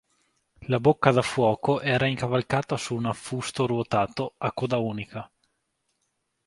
La bocca da fuoco era incavalcata su un affusto ruotato, a coda unica.